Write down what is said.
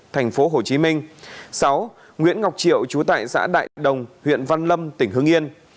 thành phố hồ chí minh sáu nguyễn ngọc triệu trú tại xã đại đồng huyện văn lâm tỉnh hưng yên